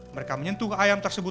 mereka menyentuh ayam tersebut